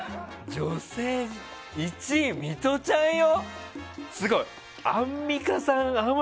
女性１位、ミトちゃんよ！